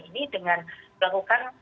ini dengan melakukan